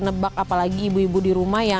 nebak apalagi ibu ibu di rumah yang